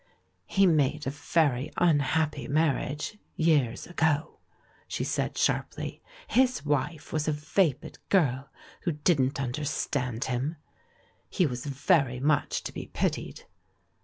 "He made a very unhappy marriage years ago," she said sharply; "his wife was a vapid girl who didn't understand him. He was very much to be pitied."